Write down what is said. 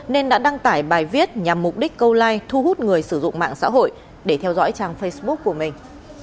nên đã đăng tải bài viết nhằm mục đích câu like thu hút người sử dụng mạng xã hội để theo dõi trang facebook của mình